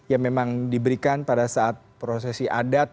yang memang diberikan pada saat prosesi adat